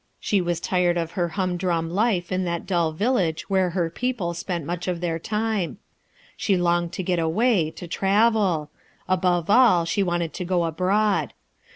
She was tired of her humdrum life in that dull village where her people spent much of their time ; she longed to get away, to travel ; above all s>hc wanted to go abroad.